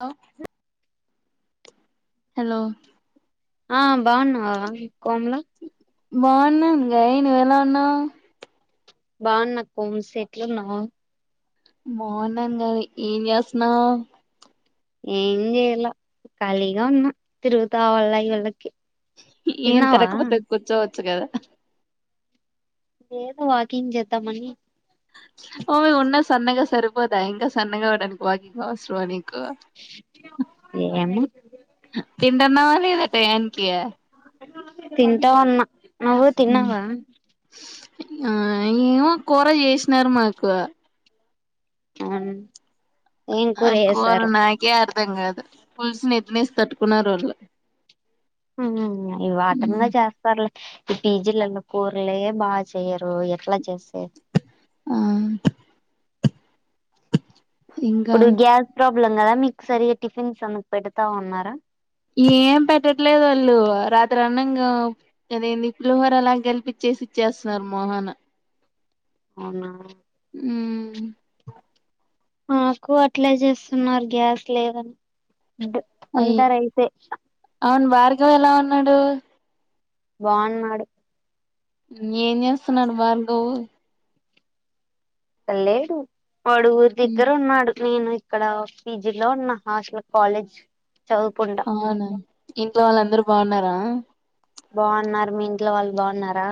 లో హలో ఆ బాగున్నావా కోమ్ లా బాగున్నాన్ గయ్ నువ్వెలా ఉన్నావ్ బాగున్న కోంస్ ఎట్లున్నవ్ బావున్నాను గాని ఏం చేస్తున్నావ్ ఏం చేయాల ఖాళీగా ఉన్నా తిరుగుతా వాళ వళ్ళకి ఏం తిరక్క పోతె కూర్చోవచ్చు కదా ఏదో వాకింగ్ చేతం అని ఓయ్ ఉన్నది సన్నగా సరిపోదా ఇంకా సన్నగావడానికి వాకిం అవసరమా నీకు ఏమో తింటన్నవ లేదా టయానికి తింటా ఉన్నా నువ్వు తిన్నావా ఆ ఏమో కూర చేసినారు మాకు అ ఆ కూరనాకే అర్దంగాదు పులుసు నెత్తినేసి తట్టుకున్నారు వాళ్ళు ఉమ్మ్ ఈ వాటంగా చేస్తారులే ఈ పీజీలల్లో కూరలే బా చెయ్యరు ఎట్లా చేస్తే ఆ ఇంకా ప్పుడు గ్యాస్ ప్రాబ్ లం కదా మీకు సరిగా టిఫిన్స్ అన్ని పెడతా ఉన్నారా ఏం పెట్టట్లేదు వాళ్ళు రాత్రి అన్నంగా అదేంది పులిహోర లాగ కలిపిచ్చేసి ఇచ్చేస్తున్నారు మొహాన అవునా ఉమ్మ్ మాకు అట్లే చేస్తున్నారు గ్యాస్ లేదని డ్డు అయి అందరైతే అవును భార్గవ్ ఎలా ఉన్నాడు బావున్నాడు ఏం చేస్తున్నాడు బార్గవ్ [unintelligible] లేేడు వాడు ఊరి ఉమ్, దగ్గర ఉన్నాడు నేను క్కడ పీజీ లో ఉన్న హాస్ట్ల కాలేజ్ చదువుకుంటా అవునా ఇంట్లో వాళ్ళు అందరూ బావున్నారా బావున్నారు మీ ఇంట్లో వాళ్ళు బావున్నారా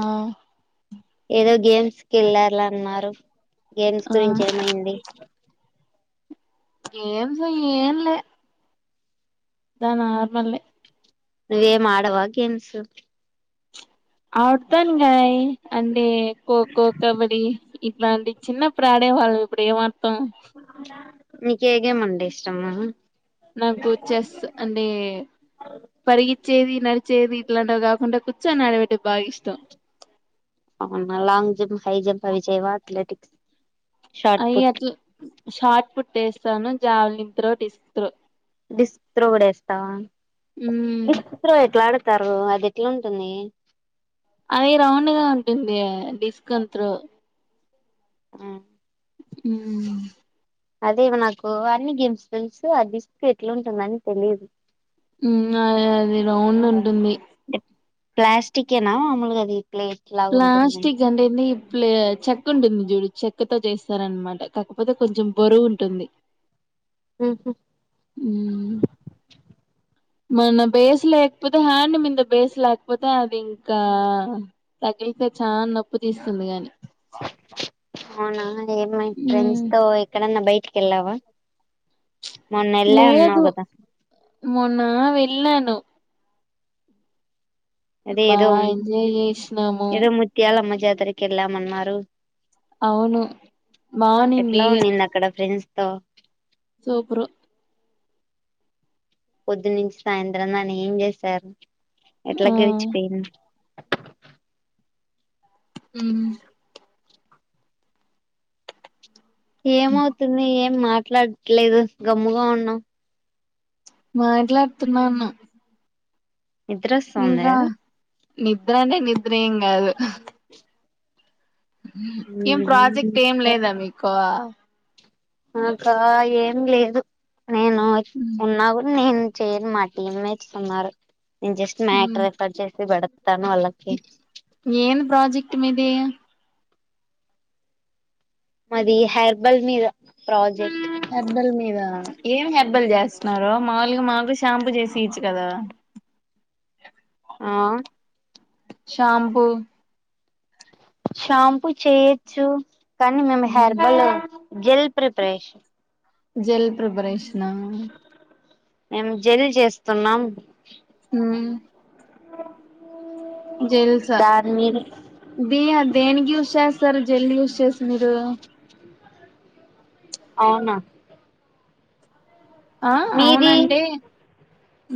ఆ ఏదో గేమ్స్ కి వెళ్ళార్ల అన్నారు గేమ్స్ ఆ గురించి ఏమైంది గేమ్సో ఏం లే తా నార్మల్ ఏ నువ్వేం ఆడవా గేమ్స్ ఆడతాను గాయ్ అంటే ఖోఖో కబడి ఇట్లాంటి చిన్నప్పుడాడే వాళ్ళు ఇప్పుడు ఏమా [unintelligible] త [unintelligible] మీకేగేమంటే ఇష్టం [unintelligible] నాకు చెస్ అంటే పరిగి చ్చేది నడిచేది ఇట్లాంటివి కాకుండా కుచ్చోనటివంటే బాగిష్టం అవునా లాంగ్ జంప్ హై జంప్ అవి చెయ్ వా అత్లెటిక్స్ అయి అట్ల షార్ట్ పుట్ ఏస్తాను javelin throw disc throw disc throw కూడ ఏస్తావా ఉమ్ డిస్క్ త్రో ఎట్ల అడక్ స్తారు అది ఎట్లుంటుంది అది రౌండ్ గా ఉంటుంది డిస్క్ అన్ త్రో ఆ మ్మ్ అదే ఇవ నాకు అన్ని గేమ్స్ తెలుసు ఆ డిస్క్ ఎట్లుంటుందని తెలీదు మ్మ్ అది అది రౌండ్ ఉంటుంది ప్లాస్టికే నా మామూలుగా అది ప్లేట్ లాగా ఉంటుంది ప్లాస్టిక్ అంటేడి ఇ ప్లే చెక్క ఉంటుంది ఇది చెక్కతో చేస్తారనమాట కాకపోతే కొంచెం బరువు ఉంటుంది ఊహు మ్ మన బేస్ లేకపోతే హ్యాండ్ మీద బేస్ లేకపోతే అది ఇంకా తగిలితే చాలా నొప్పి తీస్తుంది గాని అవునా ఏమై ఫ్రెండ్స్ ఉమ్ తో ఎక్కడన్నా బయట ఎల్లారా లేదు మొన్న వె ఎల్లాను అదే బా ఏదో ఎంజాయ్ చేసినాము ఏదో ముత్యాలమ్మ జాతరకి ఎల్లామన్నారు అవును ఎట్లా బావునుంది ఉండింది అక్కడ ఫ్రెండ్స్ తో సూపరు పొద్దు నుంచి సాయంత్రం దాన ఏం చేశారు అట్లా ఆ గరిచి పోయింది మ్ ఏమవుతుంది ఏం మా అట్లాలేదు గమ్ముగా ఉన్నాం మాట్లాడుతున్నాను నిద్ర ఓస్తాంద ఇంకా నిద్ర అనే నిద్ర దేం గాదు ఏం ప్రాజెక్ట్ ఏం లేదా మీకు మాకా ఏం లేదు నేను ఉన్నా కూడా నేను చేయను మా టీమ్మేట్స్ ఉన్నరు నేన్ జస్ట్ మ్యాటర్ రెఫర్ చేసి పెడతా నేను ప్రాజెక్ట్ క్ట్ మీదే మాది హెర్బల్ మీద ప్రాజెక్ట్ హెర్బెల్ మీద ఏం హెర్బెల్ చేస్తున్నారో మాముూలుగా మాకు షాంపూ చేసి ఇయచు కదా ఆ షాంపు షాంపూ చేయొచ్చు కానీ మేము హెర్బల్ జెల్ ప్రిపరేషన్ జెల్ ప్రిపరేషనా మేం జెల్ చేస్తున్నాం హుమ్ ఆ జెల్స్ ది దేనికి యూస్ చేస్తారు జెల్ యూస్ చేసి మీరు అవునా ఆ మీది అవునంటె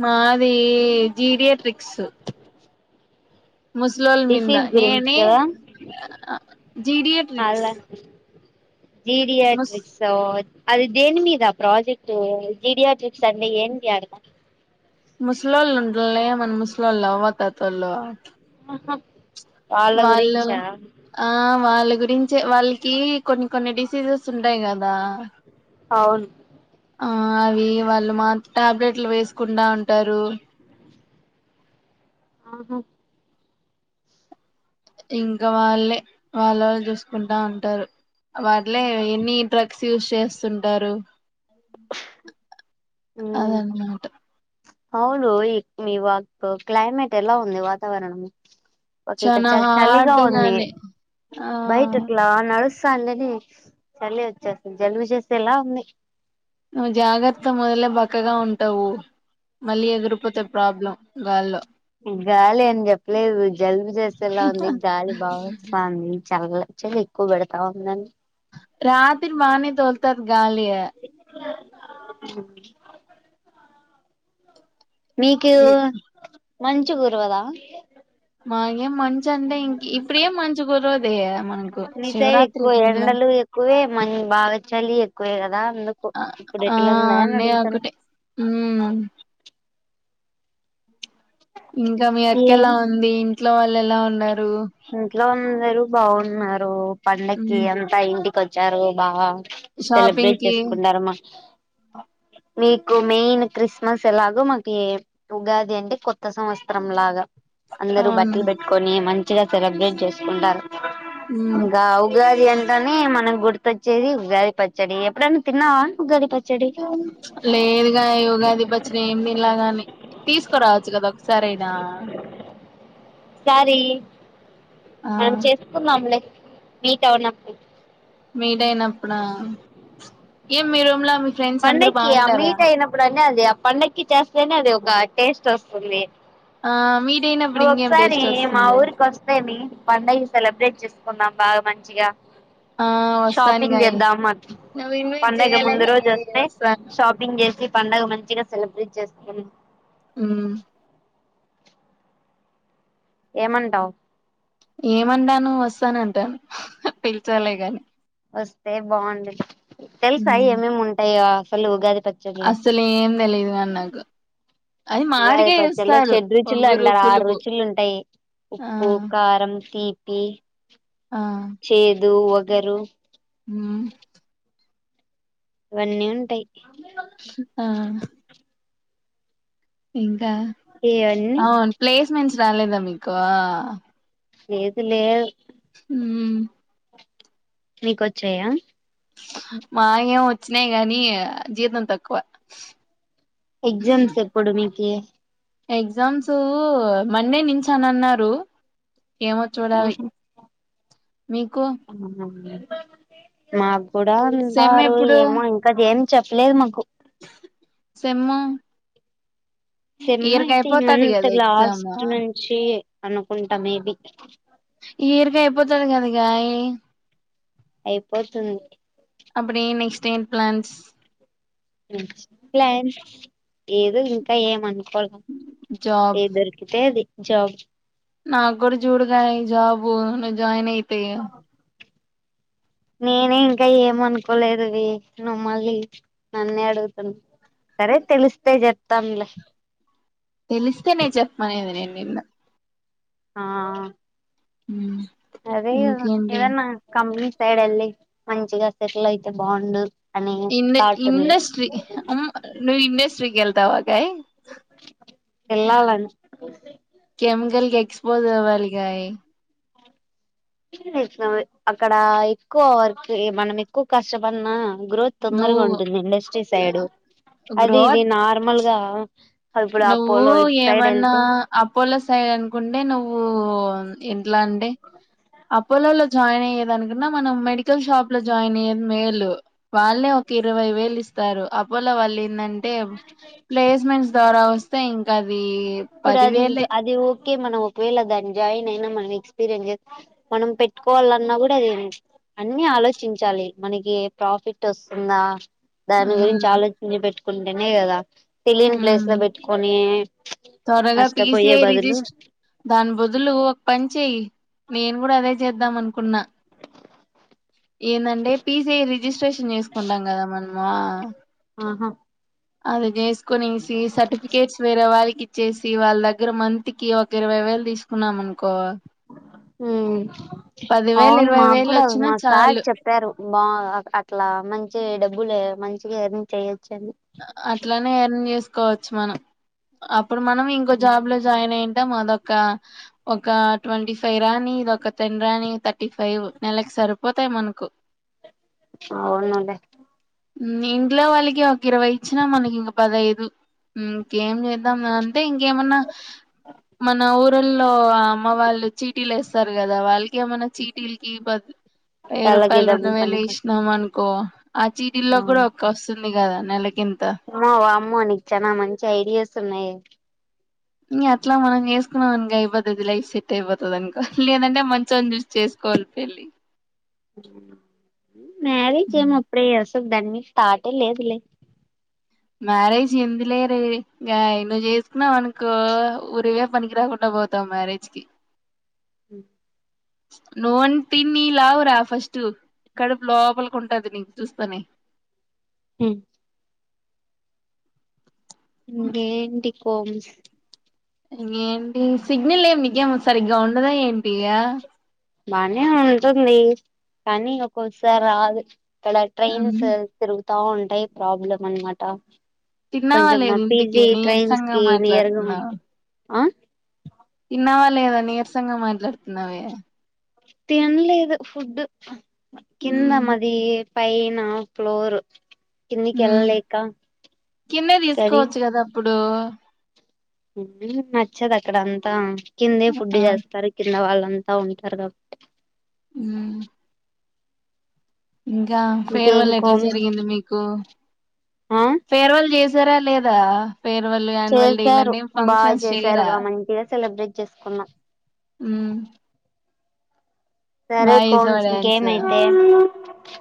మాది జీడియే ట్రిక్స్ ముస్లొల్ల మింద డిసీజ్ గురించి నేనే కదా జీడియే ట్రిక్స్ జిడియా ట్రిక్స్ ‌ఓ అది దేని మీద ప్రాజెక్టు జీడియాట్రిక్స్ అండే ఏంటి అర్థం ముసలోళ్ళు ఉండ్ల్య మన ముసలోళ్ళు అవ్వ తాతోలు హ వాళ్ళు ఆ వాళ్ళ గురించే వాళ్ళకి కొన్ని కొన్ని డిసీజెస్ ఉంటాయి కదా అవును ఆ అవి వాళ్ళు మా టాబ్లెట్లు వేసుకుండా ఉంటారు ఆహా ఇంకా వాళ్ళే వాళ్ళ వాళ్ళు చూసుకుంటా ఉంటారు వాళ్ళే ఎన్ని డ్రగ్స్ యూస్ చేస్తుంటారు ఉమ్ అదన్ మాట అవును ఈ వా క్లైమేట్ ఎలా ఉంది వాతావరణము ఒకే ఇక్కడ చానా చ చలిగా హార్డ్ ఉంది గానే ఆ బయట అట్లా నడుస్ సండే నే చలి వచ్చేస్తుంది జలుబు చేసేలా ఉంది నువ్ జాగ్రత్త మొదలే బక్ బక్కగా ఉం టవు మళ్ళీ ఎగిరిపోతే ప్రాబ్లం గాల్లో గాలి అని చెప్పలేదు, జలుబు చేసేలా ఉంది గాలి బాగా వస్థాంది చల్ల్. చలి ఎక్కువ పెడతా ఉందని. రాత్రి బానే తోల్. గాలీయా. [inaudible] మీకు. ఈ మంచు గురువదా. మాగే మంచ్. మంచ్ అంటే, ఇంక్ ఇప్పుడేం మంచు గురవదయే, మనకు శివరాత్రి [unintelligible] లా. మంచ్, బాగా చలి ఎక్కువే కదా. అందుకు ఆ ఇప్పుడు ఆ ఎట్లుందా అని అన్ని అడుగుతున్న ఒకటే హ్మ్మ్. ఇంకా మీ అక్కెలా ఏం ఉంది. ఇంట్లో వాళ్ళు ఎలా ఉన్నార్. ఇంట్లో ఉన్. అందరు బావున్నారు. పండక్కి ఉమ్ అంత ఇంటి. కొచ్చారు బా. షాపింగ్ సెలబ్రేట్ కి చేసుకున్నారామ్మ. మీకు మెయిన్ క్రిస్మస్ ఎలాగో, మాకి ఉగాది అంటే కొత్త సంవత్సరం లాగా. అందరు అవును బట్టలు బేట్టుకని మంచ్. చిగా సెలబ్రేట్ చేసుకుంటారు. ఉమ్ ఇంకా ఉగాది అంటని మనక్ గుర్త్. పచ్చడి ఉగాది పచ్చడి, ఎప్పుడైనా తిన్నవా ఉగాది పచ్. లేదుగా ఈ ఉగాది పచ్చడి ఏం తినాలా గాని, తీసుకురావచ్చు కదా ఒకసారైనా. సారీ ఆ మనం చేసుకుందాంలే. మీట్ అవనప్పుడు. మీటైనాప్పుడా, ఏ మీరుమ్లా. పండక్కి ఆ మీట్ అయినప్పుడనే అది, ఆ పండక్కి చేస్తేనే అది ఒక. టేస్ట్ ఓస్తుంది. ఆ మీట్ అయినప్పుడు నువ్వు ఇంకేం ఒకసారి టేస్ట్ మా వస్తుంది ఊరికి వస్తే, మీ పండగానీ సెలబ్రేట్ చేస్. కొన్నాం బాగా మంచిగా. ఆ వస్తాన్ షాపింగ్ గాయి, చేద్దాం నువ్ ఇన్వైట్ చేయాలే గానీ. పే షాపింగ్ చేసి. పడుగ మంచిగా సెలబ్రేట్ చేస్తను ఉమ్ ఏమంటావు ఏమడాను వస్తాన అంటాను పిలిచాలే గాని వస్తే బాగుంంది తెలుసా ఏమేమి ఉంటాయ పల్ ఉగాది పచ్చడిలో అసలు ఏం తెలియదు కాని నాకు అది ఉగాది మామిడికాయ పచలో ఇస్తారు చెడ్ రుచులు ఒగురు అంటారు ఆరు పులుపు రుచులు ఉంటాయి ఆ ఉప్పు కారం తీపి ప ఆ షేదు వ గరు ఉమ్ ఇవన్నీ ఉంటాయి హు హు ఆ ఇ ఇవన్నీ అవును ప్లేస్మెంట్స్ రాలేదా మీకు లేదు లేదు ఉమ్ మీకోచెయ్య మా ఏం వచ్చినాయి గానీ జీతం తక్కువ ఎగ్జామ్స్ ఎప్పుడు మీకు ఏ ఎగ్జామ్స్ మండే నుంచి అని అన్నారు ఏమో చూడాలి ఆహా మీకు ఎమి మా కూడా సెమ్ అంటారు ఏమో ఇంకా జన్ చెప్పలేదు మాకు సేమ్మ సమ్మ అయితే ఈమంత కదా ఎగ్జామ్ లాస్ట్ నుంచి అనుకుంటా మేబి ఇప్పుతున కాదు కాయ అయిపోతుంది అప్పుడ నెక్స్ట్ఏం ప్లాన్స్ ప్లాన్స్ ఏదు ఇంకా ఏమను జాబ్ ఏ దొరికితే అది జాబ్ నామ్ గురి చూడగానే జాబ్ నువ్వు జాయిన్ అయితే నేనే ఇంకా ఏమ్ అనుకోలేదువి నువ్వు మళ్ళి నన్నే అడుగుతున్నా సరే తెలిస్తే చెప్తానులే. తెలిస్తే నేేను చెప్పమనేది నేను నిన్న ఆ హ్మ్ అదే ఏదన్నా కమ్లీ సైడ్ వెళ్ళి మంచిగా సెట్లా అయితే బాగుండు. అని ఇండ్ థాట్ ఉంది ఇండస్ట్రి ఆ నువ్వు ఇండస్ట్రీ కి వేళతావా అక్కాయ్ వెళ్ళాలని ఎక్స్పోజ్ అవ్వాలిగాయ్ అక్కడ ఎక్కువ వర్క్ మనం ఎక్కువ కష్టపడినా గ్రోత్ తొందరగా నువ్వు ఉంటుంది. ఇండస్ట్రీ సైడ్ అది గ్రోత్ ఇది నార్మల్గా [inaudible] నువ్వు ఏమన్నా అపోలో సైడ్ అనుకుంటే నువ్వు ఎంట్లా అంటే అపోలో లో జాయిన్ అయ్యే దాని కన్నా మనం మెడికల్ షాప్ లో జాయిన్ అయ్యేది మేలు. వాళ్ళే ఒక ఇరవై వేలు ఇస్తారు. అపోలో వాళ్ళు ఏందంటే టెమ్ ప్లేస్మెంట్స్ తేడా వస్తే ఇం అవి పదివేలే కి మనం ఒకవేళ దాన్ని జాయిన్ అయినా మనం ఎక్స్పీరియన్స్ చేస్తె మనం పెట్టుకోవాలన్న కూడ అన్ని చ్ ఆలోచించాలి. మనకి ప్రాఫిట్ వస్తుందా దాని గురించి ఉమ్ ఆలోచన పెట్టు కుంటనే గదా తెలియని ఉమ్ ప్లేసులో పెట్టుకొని త్వరగా పి సి నష్టపోయే ఐ బదులు రిజిస్ట్ దాని బదులు పని చెయ్ నేను కూడా అదే చేద్దాం అనుకున్నా ఏందంటే పీ సీ ఐ రిజిస్ట్రేషన్ చేసుకుంటాం గదా మనం [unintelligible] ఆహ అది జేస్ కొన్ని సి సర్టిఫికేట్స్ వేరే వారి ఇచ్చేసి వాళ్ళ దగ్గర మంత్ కి ఒక ఇరవై వేలు తీసుకున్నామనుకో హ్మ్ పది వేలు అవును ఇరవై మాకు వేలు కూడా వచ్చినా మా సార్ చాలు చెప్పారు. బా అట్లా మంచి డబ్ డబ్బులే మంచిగ ఎమి చెయ్యకు అ అట్లనే న్యూస్ కోవచ్చు మనం ఆప్ ఇప్పుడు మనం ఇంకో జాబ్ లో జాయినై ద్దం అదొక ఒక ట్వొంటీ ఫైవ్ రాని, ఇదొక టెన్ రాని, థర్టీ ఫైవ్ నెలకు సరిపోతాయి మనకు. అవునండి ఇంట్లో వాళ్ళకి ఒక ఇరవై ఇచ్చిన మనకి ఇక పదఐదు మ్ ఏం చేద్దాం మేమ్. మ్.. ఇంకేమన్నా మన ఊరిలో అమ్మ వాళ్ళు చీటీలు వేస్తారు కదా. వాళ్ళకి ఏమన్నా చీటీలకి పది వెయ్యి తలకి రూపాయలు రెండు వేలు ఇసినాం అనుకు కో.. అమ్ ఆమ్ నెలకింత వావ్ అమ్మ నీకు చాన మంచి ఐడియాస్ ఉన్నాయే. ఇగ అట్లా మనం చేసుకున్నం అనుకో అయిపోతది లైఫ్ సెట్ అయిపోతదనుకో, లేదంటే మంచోన్ని చూసి చేసుకోవాలి పెళ్ళి. మ్యాగీ చెఏం అప్పుడే చేస్త దాన్ని స్టార్టే లేదు లే మ్యారేజ్ ఎందు లేరే మ్యా నువ్వు చేసుకున్నావనుకో, ఉరివే పనికిరాకుండా పోతాం మ్యారేజ్ కి. ఉ నువ్వు అన్ తిని లావురా ఫస్ట్ కడుపు లోపలికి ఉంటది నిన్ చూస్తనే. ఉ ఇంకేంటి కొంచ్ ఇ ఏంటి సిగ్నల్ ఏమికేమో సరిగ్గా ఉండదా ఏంటి ఆ బానే ఉంటుంది కానీ ఒక్కొసారి రాదు. ఇక్కడ ట్రైన్ సార్ తిరుగు తా ఉంటాయి ప్రాబ్లం అనమాట. తిన్నావాలేదు ఇంతకి నీరసంగా కి నియర్ గా ఉం మాట్లాడుతున్నావు. ఆ తిన్నావా లేదా నీరసంగా మాట్లాడుతున్నావే తినలేదు ఫుడ్ కింద మ్మ్ మది పైనా ఫ్లోరు హు కిందే కది తీసుకోచ్చు గదా ఇప్పుడు నచ్చదు అక్కడ అంతా కిందే ఫుడ్ ఆ చేస్తారు కింద వాళ్ళ అంతా ఉంటారు కాబట్టి. ఉ ఇంకా ఇంకేం ఫేర్వల్ ఎట్లా కోమ్స్ జరిగింది మీకు ఆ ఫేర్వల్ చేసి జరా లేదా ఫేర్వెల్ యాన్యువల్ డే చేశారు, ఇలాంటి బాగా ఫంక్షన్స్ చేశారు చేయరా బాగ మంచిగా సెలబ్రేట్ చేసుకున్నాం. మ్మ్ సరే బాగా చేసావా కోన్స్ డాన్స్ ఇంకేమైతే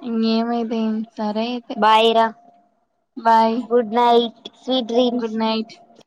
ఇంకేమైతే ఏం సరే అయితే బాయ్ రా bye good night sweet dreams good night